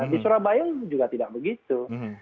di surabaya juga tidak begitu